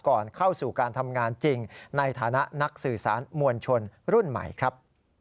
ก่อนเข้าสู่การทำงานจริงในฐานะนักสื่อสารมวลชนรุ่นใหม่ครับ